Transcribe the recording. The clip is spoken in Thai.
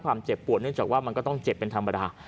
เจ็บปวดเนื่องจากว่ามันก็ต้องเจ็บเป็นธรรมดา